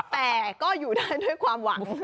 แต่ก็อยู่ได้ด้วยความหวัง